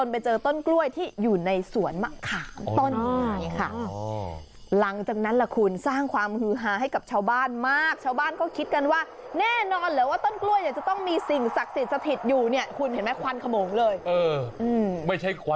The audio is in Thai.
ไปดูกันค่ะคุณผู้ชมช่วยตามไปดูกันหน่อยค่ะ